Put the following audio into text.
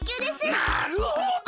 なるほど！